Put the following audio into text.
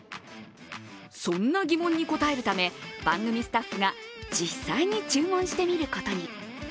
そんな疑問に答えるため、番組スタッフが実際に注文してみることに。